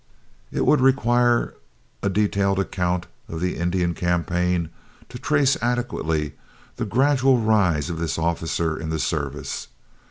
It would require a detailed account of the Indian campaign to trace adequately the gradual rise of this officer in the service.